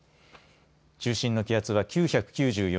中心の気圧は９９４